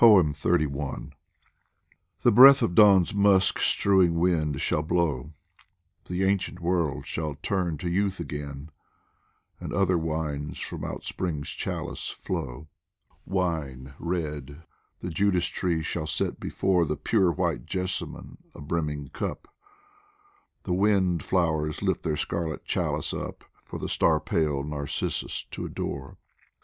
XXXI THE breath of Dawn's musk strewing wind shall blow, The ancient world shall turn to youth again, And other wines from out Spring's chalice flow ; DIVAN OF HAFIZ Wine red, the judas tree shall set before The pure white jessamine a brimming cup, And wind flowers lift their scarlet chalice up For the star pale narcissus to adore.